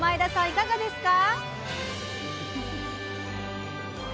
いかがですか？